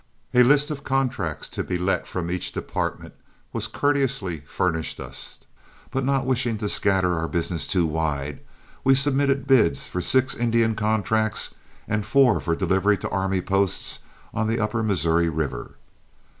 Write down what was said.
A list of contracts to be let from each department was courteously furnished us, but not wishing to scatter our business too wide, we submitted bids for six Indian contracts and four for delivery to army posts on the upper Missouri River.